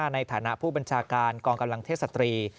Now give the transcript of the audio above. ในฐานะผู้บัญชาการกองกำลังเทศตรี